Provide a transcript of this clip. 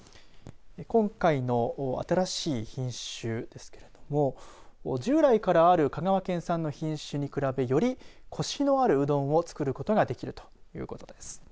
今回の新しい品種ですけれども従来からある香川県産の品種に比べ、よりこしのあるうどんを作ることができるということです。